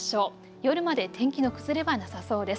夜まで天気の崩れはなさそうです。